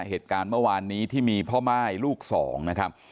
เหตุการณ์เมื่อวานนี้ที่มีพ่อม่ายลูกสองนะครับ